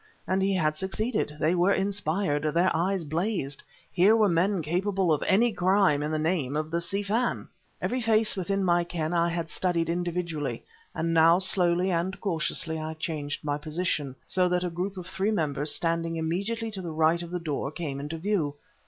And he had succeeded; they were inspired, their eyes blazed. Here were men capable of any crime in the name of the Si Fan! Every face within my ken I had studied individually, and now slowly and cautiously I changed my position, so that a group of three members standing immediately to the right of the door came into view.